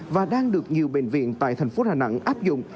và đang được nhiều bệnh viện tại thành phố đà nẵng áp dụng